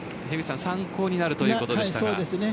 参考になるということでしたが。